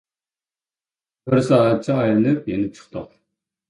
بىر سائەتچە ئايلىنىپ يېنىپ چىقتۇق.